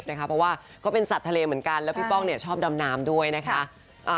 เพราะว่าก็เป็นสัตว์ทะเลเหมือนกันแล้วพี่ป้องชอบดำน้ำด้วยนะคะ